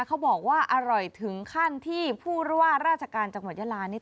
เขาบอกว่าอร่อยถึงขั้นที่ผู้ว่าราชการจังหวัดยาลานี่